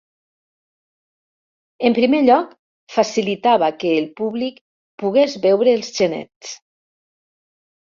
En primer lloc, facilitava que el públic pogués veure els genets.